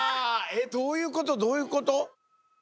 どういうことどういうこと？